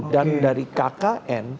dan dari kkn itu udah standar yang bagus